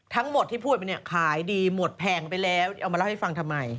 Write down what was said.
ทั้งหมดที่พูดไปเนี่ยขายดีหมดแผงไปแล้วเอามาเล่าให้ฟังทำไม